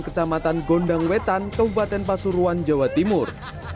kecamatan gondang wetan kabupaten pasuruan jawa timur